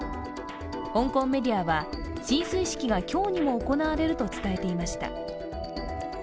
香港メディアは進水式が今日にも行われると伝えていました。